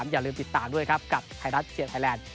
อย่าลืมติดตามด้วยครับกับไทยรัฐเชียร์ไทยแลนด